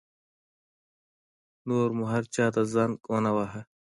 نور مو چا ته زنګ ونه وهلو.